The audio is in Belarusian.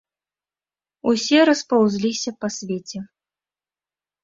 Усе распаўзліся па свеце.